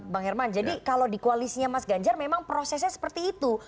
bang herman jadi kalau di koalisinya mas ganjar memang prosesnya seperti itu